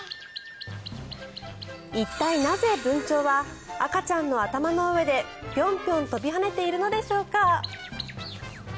一体なぜ、ブンチョウは赤ちゃんの頭の上でピョンピョン飛び跳ねているのでしょうか。